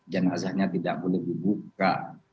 janazahnya tidak boleh dibuka